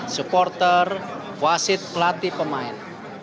supporter wasit pelatih pemain